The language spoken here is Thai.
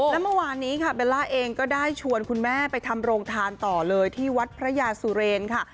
และเมื่อวานนี้ค่ะเบลล่าเองก็ได้ชวนคุณแม่ไปทำโรงทานต่อเลยที่วัดพระยาสุเรนค่ะ